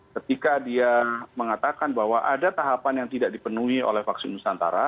ketika dia mengatakan bahwa ada tahapan yang tidak dipenuhi oleh vaksin nusantara